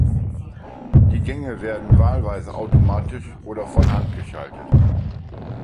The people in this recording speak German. Die Gänge werden wahlweise automatisch oder von Hand geschaltet.